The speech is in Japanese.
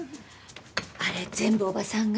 あれ全部叔母さんが？